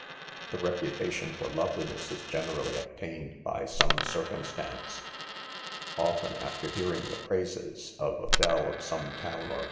f'\ The reputation for loveliness is' generally [ obtained by some circumstance. Often, after : hearing the praises of a belle of some town or THE CONFESSIONS.